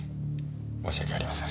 申し訳ありません。